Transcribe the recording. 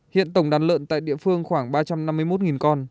hiện tổng đàn lợn tại địa phương khoảng ba trăm năm mươi một con